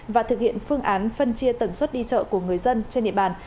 và thực hiện phương án phân chia tần suất đi chợ của người dân trên địa bàn